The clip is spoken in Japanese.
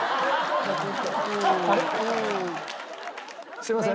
すいません。